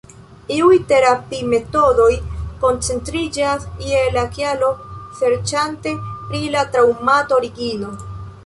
Iuj terapi-metodoj koncentriĝas je la kialo, serĉante pri la traŭmat-origino.